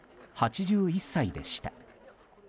８１歳でした。